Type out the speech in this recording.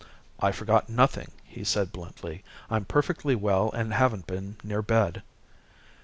"I forgot nothing," he said bluntly. "I'm perfectly well and haven't been near bed."